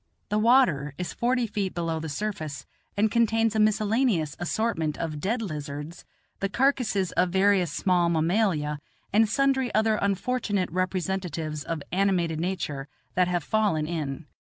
The water is forty feet below the surface, and contains a miscellaneous assortment of dead lizards, the carcasses of various small mammalia, and sundry other unfortunate representatives of animated nature that have fallen in.